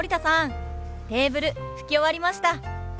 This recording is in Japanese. テーブル拭き終わりました。